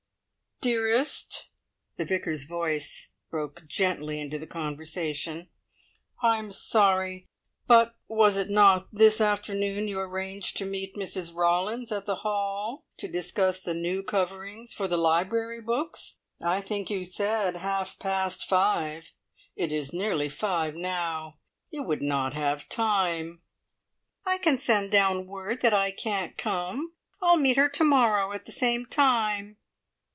"Dearest!" the Vicar's voice broke gently into the conversation, "I'm sorry, but was not it this afternoon you arranged to meet Mrs Rawlins at the `Hall,' to discuss the new coverings for the library books? I think you said half past five. It is nearly five now. You would not have time." "I can send down word that I can't come. I'll meet her to morrow at the same time."